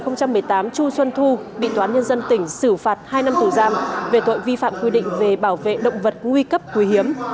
năm hai nghìn một mươi tám chu xuân thu bị toán nhân dân tỉnh xử phạt hai năm tù giam về tội vi phạm quy định về bảo vệ động vật nguy cấp quý hiếm